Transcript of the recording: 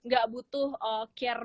gak butuh care